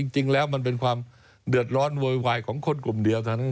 จริงแล้วมันเป็นความเดือดร้อนโวยวายของคนกลุ่มเดียวเท่านั้น